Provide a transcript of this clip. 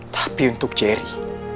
tapi untuk jerry